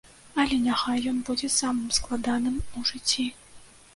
Але няхай ён будзе самым складаным у жыцці.